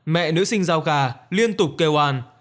mẹ nữ sinh dao gà liên tục kêu oan